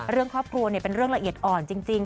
เรื่องครอบครัวเป็นเรื่องละเอียดอ่อนจริง